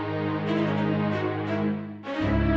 ayo kita mulai berjalan